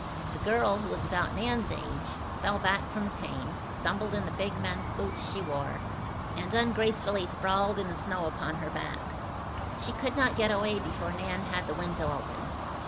The girl, who was about Nan's own age, fell back from the pane, stumbled in the big, men's boots she wore, and ungracefully sprawled in the snow upon her back. She could not get away before Nan had the window open.